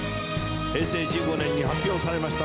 平成１５年に発表されました